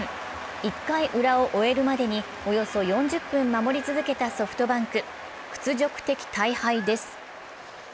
１回ウラを終えるまでに、およそ４０分守り続けたソフトバンク屈辱的大敗です。